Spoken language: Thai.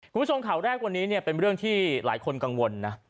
คุณผู้ชมข่าวแรกวันนี้เนี่ยเป็นเรื่องที่หลายคนกังวลนะ